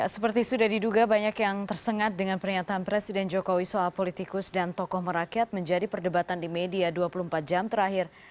seperti sudah diduga banyak yang tersengat dengan pernyataan presiden jokowi soal politikus dan tokoh merakyat menjadi perdebatan di media dua puluh empat jam terakhir